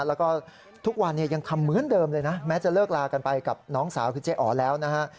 แล้วก็ทุกวันเนี่ยยังทำเหมือนเดิมเลยนะแม้จะเลิกลากันไปกับน้องสาวคือเจ๊อ๋อแล้วนะฮะ